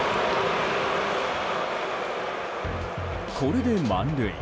これで満塁。